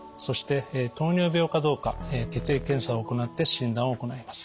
そして糖尿病かどうか血液検査を行って診断を行います。